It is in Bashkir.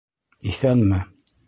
Иҫәнме?